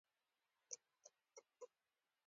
د مرغانو سندرې او د لوون غږونه اوریدل کیږي